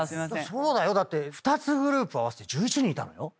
だって２つグループ合わせて１１人いたのよ。